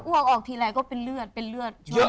แล้วอ้วกออกทีใดก็เป็นเลือดเป็นเลือดช่วงนั้นนะ